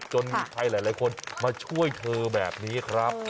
มีใครหลายคนมาช่วยเธอแบบนี้ครับ